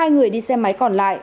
hai người đi xe máy còn lại